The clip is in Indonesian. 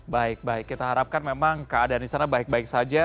baik baik kita harapkan memang keadaan di sana baik baik saja